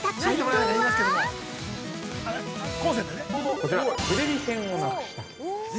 ◆こちら、テレビ線をなくした。